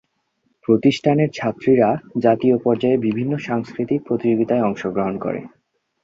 প্রতিষ্ঠানের ছাত্রীরা জাতীয় পর্যায়ে বিভিন্ন সাংস্কৃতিক প্রতিযোগিতায় অংশগ্রহণ করে।